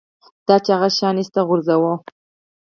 دا ده چې هغه شیان ایسته وغورځوه